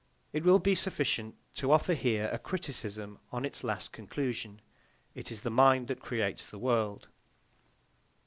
It will be sufficient to offer here a criticism on its last conclusion: "It is the mind that creates the world."